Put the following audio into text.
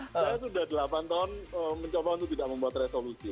saya sudah delapan tahun mencoba untuk tidak membuat resolusi